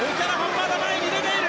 まだ前に出ている！